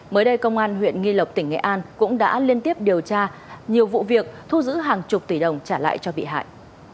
mới đây công an huyện nghi lộc tỉnh nghệ an cũng đã liên tiếp điều tra nhiều vụ việc thu giữ hàng chục tỷ đồng trả lại cho bị hại